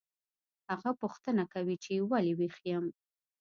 هغه پوښتنه کوي چې ولې ویښ یم